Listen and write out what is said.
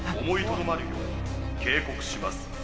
思いとどまるよう警告します。